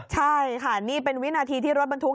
ใช่ค่ะนี่เป็นวินาทีที่รถบรรทุก